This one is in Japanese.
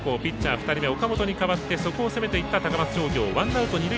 ２人目岡本に代わってそこを攻めていった高松商業。